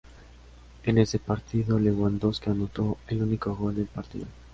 En ese partido, Lewandowski anotó el único gol del partido.